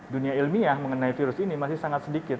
dunia ilmiah mengenai virus ini masih sangat sedikit